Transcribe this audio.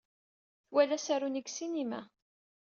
Twala asaru-nni deg ssinima.